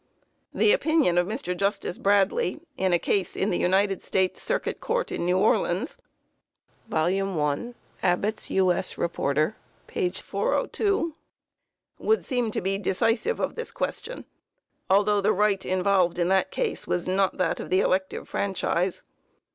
The opinion of Mr. Justice Bradley, in a case in the United States Circuit Court in New Orleans (1 Abb. U.S. Rep. 402) would seem to be decisive of this question, although the right involved in that case was not that of the elective franchise.